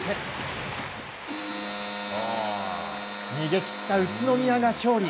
逃げ切った宇都宮が勝利。